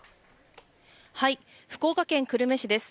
福岡県久留米市です。